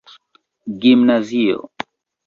gimnazio